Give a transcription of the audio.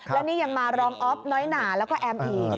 และนี่ยังมารองอ๊อฟน้อยหนาแล้วก็แอมอีก